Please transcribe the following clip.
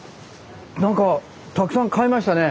何かたくさん買いましたね。